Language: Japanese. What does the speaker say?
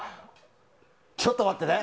ちょっと待ってね。